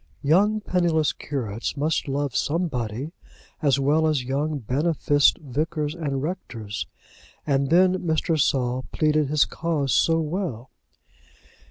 Young penniless curates must love somebody as well as young beneficed vicars and rectors. And then Mr. Saul pleaded his cause so well!